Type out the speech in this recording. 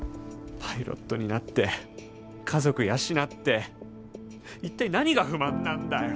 パイロットになって家族養って一体何が不満なんだよ。